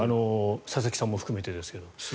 佐々木さんも含めてですが。